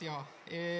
え。